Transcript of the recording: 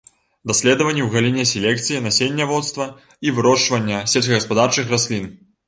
Даследаванні ў галіне селекцыі, насенняводства і вырошчвання сельскагаспадарчых раслін.